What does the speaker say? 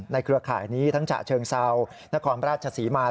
เครือข่ายนี้ทั้งฉะเชิงเซานครราชศรีมา